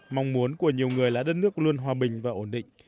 mong muốn của nhiều người là đất nước luôn hòa bình và ổn định